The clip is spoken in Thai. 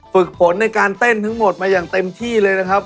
ฝึกผลในการเต้นทั้งหมดมาอย่างเต็มที่เลยนะครับ